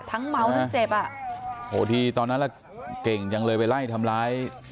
ทั้งเมาท์ถึงเจ็บโหทีตอนนั้นล่ะเก่งจังเลยไปไล่ทำร้าย